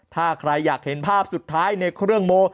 ถ้าใครอยากเห็นภาพสุดท้ายในเครื่องโม